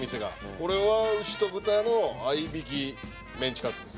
これは牛と豚の合いびきメンチカツです